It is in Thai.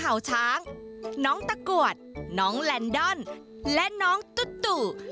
เห่าช้างน้องตะกรวดน้องแลนดอนและน้องตุ